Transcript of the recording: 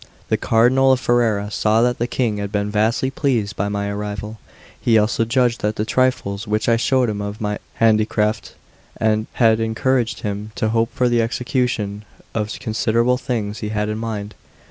X THE CARDINAL OF FERRARA saw that the King had been vastly pleased by my arrival; he also judged that the trifles which I showed him of my handicraft had encouraged him to hope for the execution of some considerable things he had in mind.